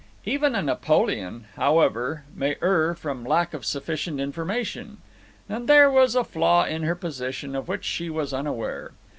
Even a Napoleon, however, may err from lack of sufficient information; and there was a flaw in her position of which she was unaware.